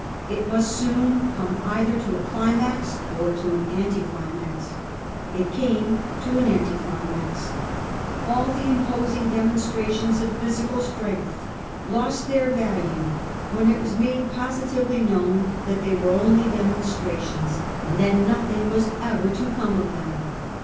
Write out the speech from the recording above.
It must soon come either to a climax or to an anti climax. It came to an anti climax. All the imposing demonstrations of phy sical strength lost their value when it was made positively known that they were only demonstrations, 294 A HISTOUY OF OUE OWN TIMES. cn. xu. and that nothing was ever to come of them.